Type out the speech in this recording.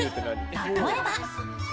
例えば。